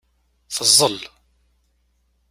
Teẓẓel.